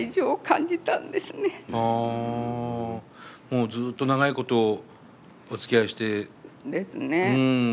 もうずっと長いことおつきあいして。ですね。